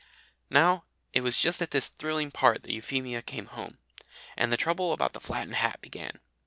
Now it was just at this thrilling part that Euphemia came home, and the trouble about the flattened hat began.